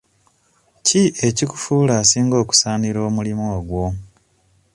Ki ekikufuula asinga okusaanira omulimu ogwo?